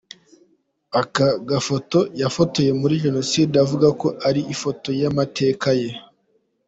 Aka gafoto yafotowe muri Jenoside avuga ko ari ifoto y’amateka ye.